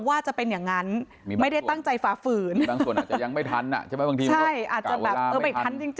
อาจจะไปทันจริงอะไรอย่างนี้